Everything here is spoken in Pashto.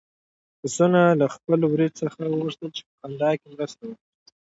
پسونو له خپل وري څخه وغوښتل چې په خندا کې مرسته وکړي.